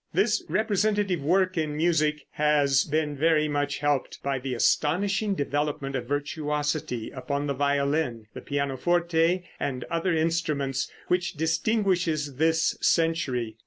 This representative work in music has been very much helped by the astonishing development of virtuosity upon the violin, the pianoforte and other instruments, which distinguishes this century.